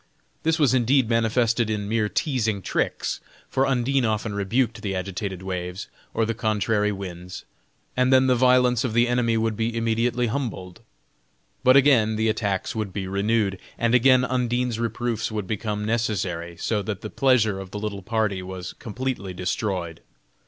This was indeed manifested in mere teasing tricks, for Undine often rebuked the agitated waves, or the contrary winds, and then the violence of the enemy would be immediately humbled; but again the attacks would be renewed, and again Undine's reproofs would become necessary, so that the pleasure of the little party was completely destroyed.